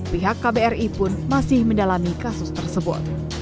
pihak kbri pun masih mendalami kasus tersebut